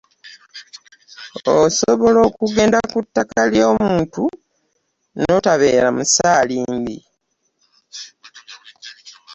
Osobola okugenda ku ttaka ly’omuntu n’otabeera ‘musaalimbi’.